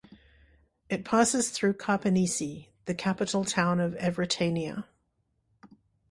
It passes through Karpenisi, the capital town of Evrytania.